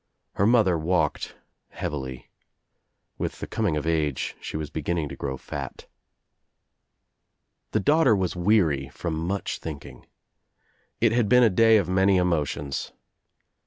Her mother walked heavily. With the coming of age she was beginning to grow fat. The daughter was weary from much thinking. It had been a day of many emotions.